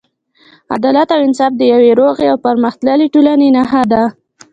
عدالت او انصاف د یوې روغې او پرمختللې ټولنې نښه ده.